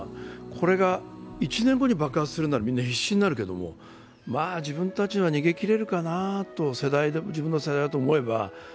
これが１年後に爆発するならみんな必死になるけれども、自分たちは逃げきれるかなと、自分の世代はと思えば。